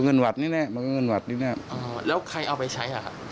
ก็เงินวัดนี่แน่ะมันก็เงินวัดนี่แน่ะอ๋อแล้วใครเอาไปใช้น่ะ